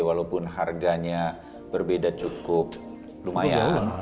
walaupun harganya berbeda cukup lumayan